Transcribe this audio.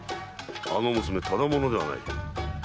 あの娘ただ者ではないな。